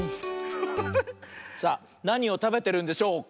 さあなにをたべてるんでしょうか？